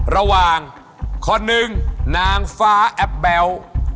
ระวางข้อหนึ่งนางฟ้าแอบแบล